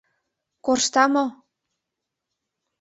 — Коршта мо?